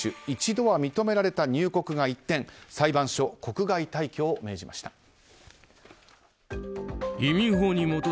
一度は認められた入国が一転裁判所が国外退去を命じました。